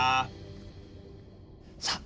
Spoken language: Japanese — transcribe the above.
さあ